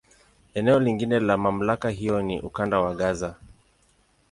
Eneo lingine la MamlakA hiyo ni Ukanda wa Gaza.